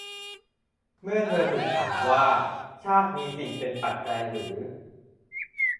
เมื่อเธอถูกถามว่า ชาติมีสิ่งเป็นปัจจัยหรือ